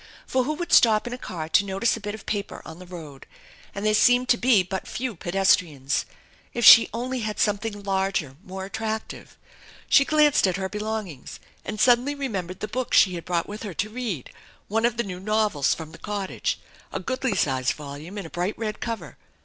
For who would stop in a car to notice a bit of paper on the road ? And there seemed to be but few pedestrians. If she only had something larger, more attractive. She glanced at her belong ings and suddenly remembered the book she had brought with her to read, one of the new novels from the cottage, a goodly sized volume in a bright red cover.